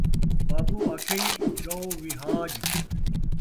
Babu آکھئی جَو Wahaj?